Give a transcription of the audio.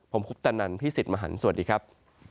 ผมคุปตะนันพี่สิทธิ์มหันฯสวัสดีครับ